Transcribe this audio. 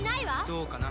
どうかな？